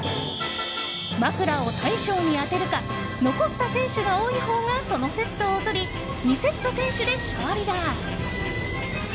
まくらを大将に当てるか残った選手が多いほうがそのセットを取り２セット先取で勝利だ。